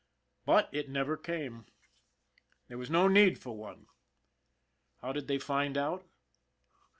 But it never came. "IF A MAN DIE" 51 There was no need for one. How did they find out?